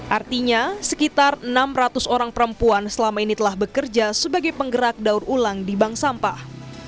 artinya sekitar enam ratus orang perempuan selama ini telah bekerja sebagai penggerak daur ulang di bank sampah